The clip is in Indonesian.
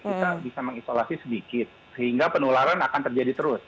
kita bisa mengisolasi sedikit sehingga penularan akan terjadi terus